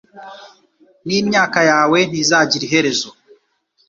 n’imyaka yawe ntizagira iherezo